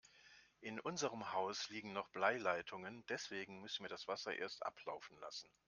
In unserem Haus liegen noch Bleileitungen, deswegen müssen wir das Wasser erst ablaufen lassen.